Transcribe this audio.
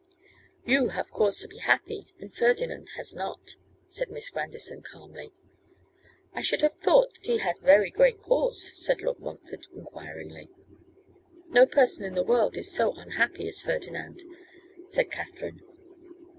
'You have cause to be happy, and Ferdinand has not,' said Miss Grandison, calmly. 'I should have thought that he had very great cause,' said Lord Montfort, enquiringly. 'No person in the world is so unhappy as Ferdinand,' said Katherine.